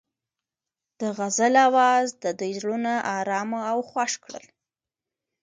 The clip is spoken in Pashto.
د غزل اواز د دوی زړونه ارامه او خوښ کړل.